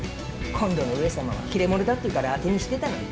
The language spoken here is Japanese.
今度の上様は切れ者だっていうから当てにしてたのに。